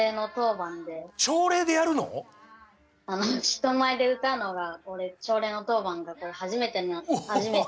人前で歌うのが朝礼の当番が初めてで。